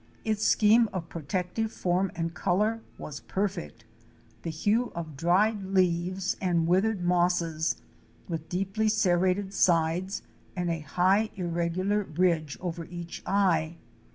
Its scheme of protective form and color was perfect — the hue of dried leaves and withered mosses, with deeply serrated sides and a high irregular ridge . over each eye.